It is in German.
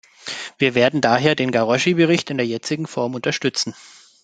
Wir werden daher den Garosci-Bericht in der jetzigen Form unterstützen.